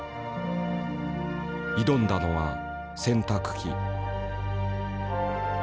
挑んだのは洗濯機。